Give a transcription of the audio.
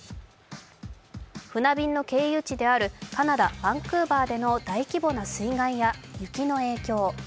船便の経由地であるカナダバンクーバーでの大規模な水害や雪の影響。